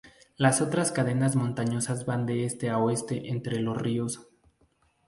Las otras cadenas montañosas van de este a oeste entre los ríos.